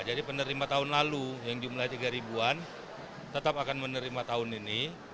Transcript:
jadi penerima tahun lalu yang jumlah tiga ribu an tetap akan menerima tahun ini